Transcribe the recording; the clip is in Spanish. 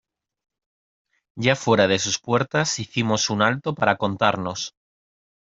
ya fuera de sus puertas hicimos un alto para contarnos.